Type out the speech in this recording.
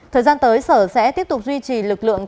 thời gian tới sở sẽ tiếp tục duy trì lực lượng